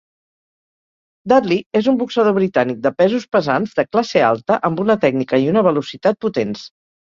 Dudley és un boxador britànic de pesos pesants de classe alta amb una tècnica i una velocitat potents.